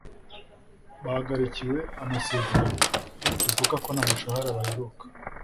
bahagarikiwe amasezerano, bivuga ko nta mushahara baheruka.